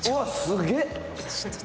すげえ。